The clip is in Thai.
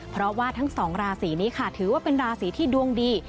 เพราะว่าทั้งสองราศีนี้ค่ะถือว่าเป็นราศีที่ดวงดี